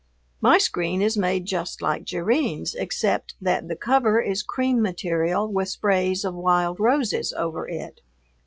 My screen is made just like Jerrine's except that the cover is cream material with sprays of wild roses over it.